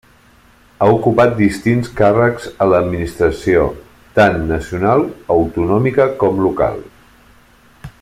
Ha ocupat distints càrrecs a l'Administració, tant nacional, autonòmica com local.